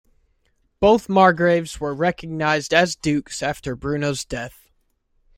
Both margraves were recognised as dukes after Bruno's death.